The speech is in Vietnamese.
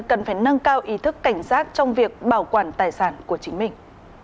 cần phải nâng cao ý thức cảnh giác trong việc bảo quản tài sản của chính mình